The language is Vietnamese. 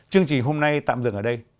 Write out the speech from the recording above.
chương trình hôm nay tạm dừng ở đây